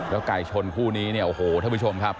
ไก่ชนคู่นี้เนี่ยโอ้โหท่านผู้ชมครับ